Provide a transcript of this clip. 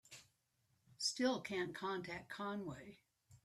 Still can't contact Conway.